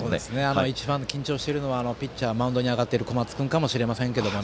一番、緊張しているのはピッチャーマウンドに上がっている小松君かもしれませんけどね。